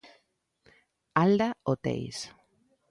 Alda Hoteis.